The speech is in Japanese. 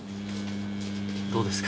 どうですか？